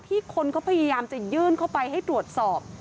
คนเขาพยายามจะยื่นเข้าไปให้ตรวจสอบ